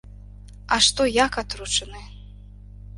А што, як атручаны?